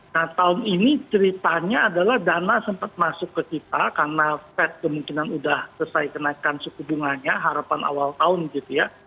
nah tahun ini ceritanya adalah dana sempat masuk ke kita karena fed kemungkinan sudah selesai kenaikan suku bunganya harapan awal tahun gitu ya